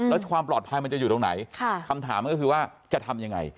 แล้วความปลอดภัยมันจะอยู่ตรงไหนคำถามก็คือว่าจะทำยังไง